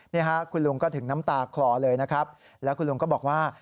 นี่ฮะคุณลุงก็ถึงน้ำตาคลอเลยนะครับแล้วคุณลุงก็บอกว่า